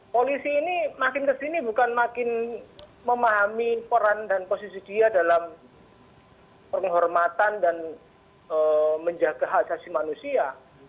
polisi ini makin kesini bukan makin memahami peran dan posisi dia dalam penghormatan dan menjaga hak asasi manusia